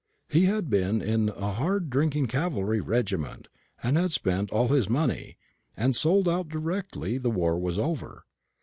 He had been in a hard drinking cavalry regiment, and had spent all his money, and sold out directly the war was over.